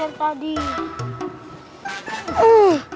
jangan berisik dulu